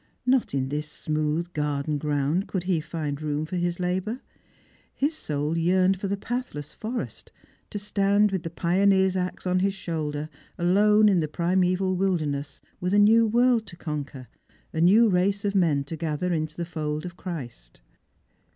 Not in this smooth garden ground could he find room for hia labour ; his^ soul yearned for the pathless forest, to stand witt the pioneer's axe on his shoulder alone in the primeval wilder ness, with a new world to conquer, a new race of men to gather into the fold of Christ.